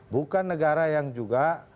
bukan negara yang juga